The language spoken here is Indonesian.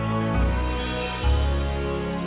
mama antarin ke kamar oke